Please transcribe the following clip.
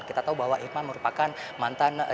kita tahu bahwa irman merupakan mantan dirjen duk capa